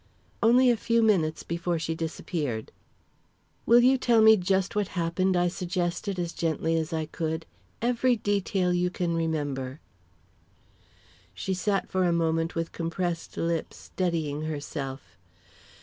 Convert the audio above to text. "Only a few minutes before she disappeared." "Will you tell me just what happened?" I suggested, as gently as I could. "Every detail you can remember." She sat for a moment with compressed lips, steadying herself.